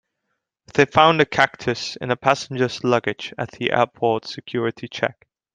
They found a cactus in a passenger's luggage at the airport's security check.